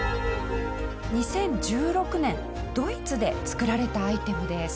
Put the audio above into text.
２０１６年ドイツで作られたアイテムです。